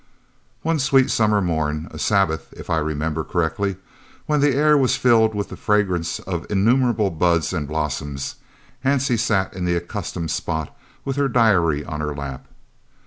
One sweet summer morn, a Sabbath, if I remember correctly, when the air was filled with the fragrance of innumerable buds and blossoms, Hansie sat in the accustomed spot, with her diary on her lap.